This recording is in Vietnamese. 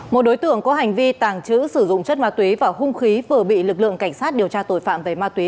một đối tượng có hành vi tàng trữ sử dụng chất ma túy và hung khí vừa bị lực lượng cảnh sát điều tra tội phạm về ma túy